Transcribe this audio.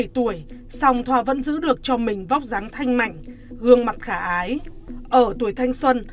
bảy tuổi song thoa vẫn giữ được cho mình vóc dáng thanh mạnh gương mặt khả ái ở tuổi thanh xuân